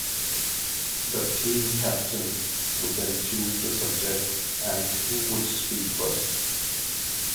The team captain would then choose the subject and who would speak first.